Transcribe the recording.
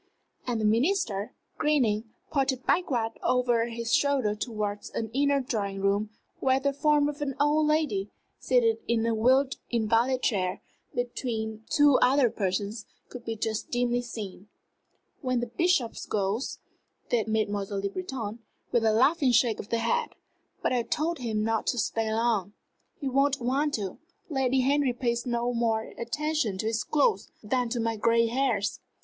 And the Minister, grinning, pointed backward over his shoulder towards an inner drawing room, where the form of an old lady, seated in a wheeled invalid chair between two other persons, could be just dimly seen. "When the Bishop goes," said Mademoiselle Le Breton, with a laughing shake of the head. "But I told him not to stay long." "He won't want to. Lady Henry pays no more attention to his cloth than to my gray hairs.